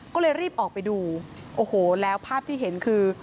ก็เลยรีบออกไปดูโอ้โหแล้วภาพที่เห็นคือ